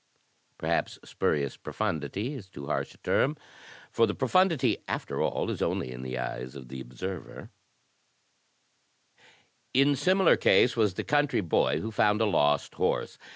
Perhaps spurious profundity is too harsh a term, for the profundity after all is only in the eye of the observer. 96 THE TECHNIQUE OF THE MYSTERY STORY In similar case was the country boy who found a lost horse.